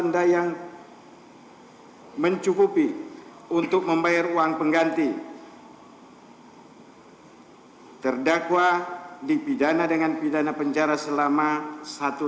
tiga menjatuhkan pidana kepada terdakwa dua subiharto